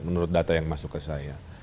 menurut data yang masuk ke saya